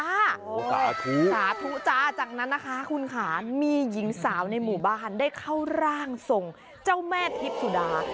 สาธุสาธุสาธุจ้าจากนั้นนะคะคุณค่ะมีหญิงสาวในหมู่บ้านได้เข้าร่างทรงเจ้าแม่ทิพย์สุดา